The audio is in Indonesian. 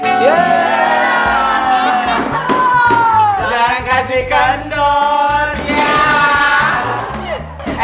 terima kasih kendor yaaa